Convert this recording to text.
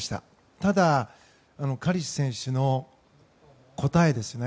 ただ、カリシュ選手の答えですよね。